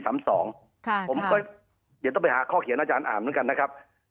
ผมก็เดี๋ยวต้องไปหาข้อเขียนอาจารย์อ่านเหมือนกันนะครับ